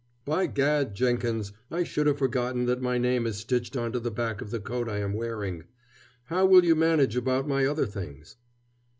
"By gad, Jenkins, I should have forgotten that my name is stitched on to the back of the coat I am wearing. How will you manage about my other things?"